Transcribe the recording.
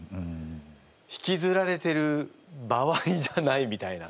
引きずられてる場合じゃないみたいな。